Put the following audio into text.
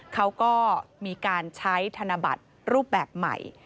เขาก็มีการใช้ธนบัตรรูปแบบใหม่